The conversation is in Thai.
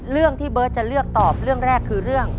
เรื่องที่เบิร์ตจะเลือกตอบเรื่องแรกคือเรื่อง